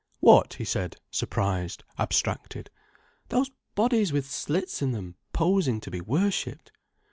"What?" he said, surprised, abstracted. "Those bodies with slits in them, posing to be worshipped."